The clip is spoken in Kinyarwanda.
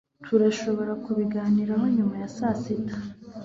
turashobora kubiganiraho nyuma ya sasita